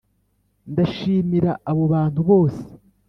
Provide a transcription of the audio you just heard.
ndashimira abo bantu bose